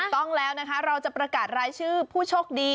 ต้องแล้วนะคะเราจะประกาศรายชื่อผู้โชคดี